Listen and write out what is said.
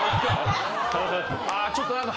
あちょっと何か。